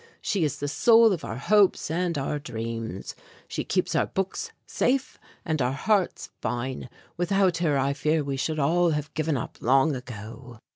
She is the soul of our hopes and our dreams. She keeps our books safe and our hearts fine. Without her I fear we should all have given up long ago."